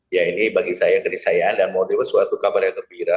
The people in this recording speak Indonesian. ya ini bagi saya kenis cayaan dan motivasi suatu kabar yang terpira